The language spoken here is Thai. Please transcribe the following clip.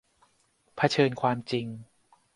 เผชิญความจริง